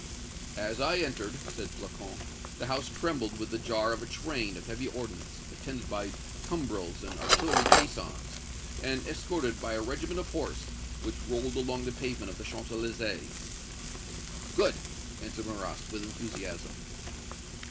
"As I entered," said Flocon, "the house trembled with the jar of a train of heavy ordnance, attended by tumbrels and artillery caissons, and escorted by a regiment of horse, which rolled along the pavement of the Champs Elysées." "Good!" answered Marrast, with enthusiasm.